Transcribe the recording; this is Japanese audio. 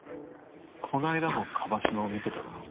この間も椛島を見てたな。